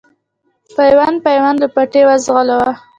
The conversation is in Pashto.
پیوند پیوند لوپټې وځلوه